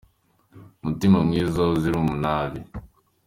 Mutima mwiza uzira umunabi